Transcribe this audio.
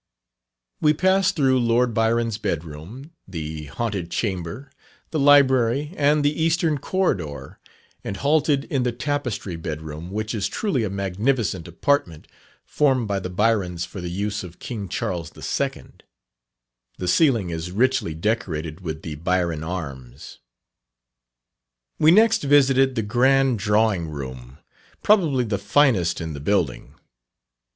We passed through Lord Byron's Bedroom, the Haunted Chamber, the Library, and the Eastern Corridor, and halted in the Tapestry Bedroom, which is truly a magnificent apartment, formed by the Byrons for the use of King Charles II. The ceiling is richly decorated with the Byron arms. We next visited the grand Drawing room, probably the finest in the building.